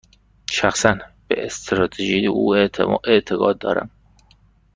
شخصا، به استراتژی او اعتقاد دارم.